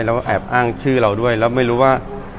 แล้วแอบอ้างชื่อเราด้วยแล้วไม่รู้ว่า